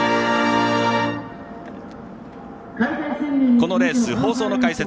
このレース、放送の解説